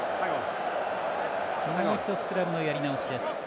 もう一度スクラムのやり直しです。